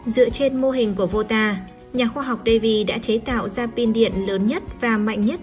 dựa trên mô hình của vota nhà khoa học davi đã chế tạo ra pin điện lớn nhất và mạnh nhất